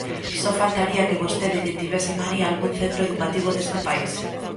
¡Só faltaría que vostede lle tivese manía a algún centro educativo deste país!